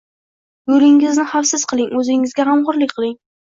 Yo'lingizni xavfsiz qiling, o'zingizga g'amxo'rlik qiling!